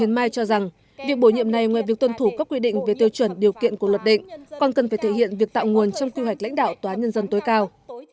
hiến mai cho rằng việc bổ nhiệm này ngoài việc tuân thủ các quy định về tiêu chuẩn điều kiện của luật định còn cần phải thể hiện việc tạo nguồn trong quy hoạch lãnh đạo tòa án nhân dân tối cao